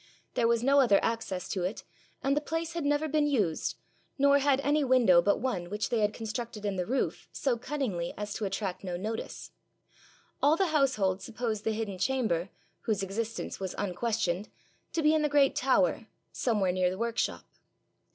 There was no other access to it, and the place had never been used, nor had any window but one which they had constructed in the roof so cunningly as to attract no notice. All the household supposed the hidden chamber, whose existence was unquestioned, to be in the great tower, somewhere near the workshop.